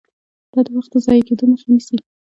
دا د وخت د ضایع کیدو مخه نیسي.